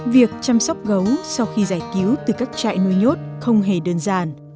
việc chăm sóc gấu sau khi giải cứu từ các trại nuôi nhốt không hề đơn giản